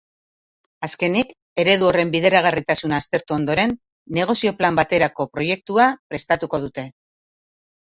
Azkenik, eredu horren bideragarritasuna aztertu ondoren, negozio-plan baterako proiektua prestatuko dute.